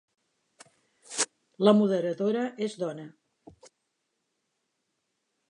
La moderadora es dóna.